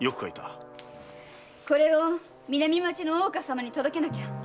これを南町の大岡様に届けなきゃ。